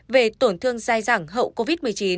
về tổn thương dai dẳng hậu covid một mươi chín